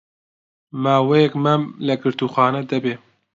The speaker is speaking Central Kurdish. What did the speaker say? ماوەیەک مەم لە گرتووخانە دەبێ